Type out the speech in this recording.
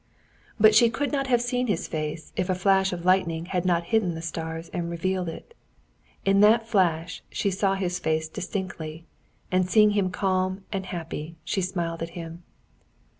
But she could not have seen his face if a flash of lightning had not hidden the stars and revealed it. In that flash she saw his face distinctly, and seeing him calm and happy, she smiled at him.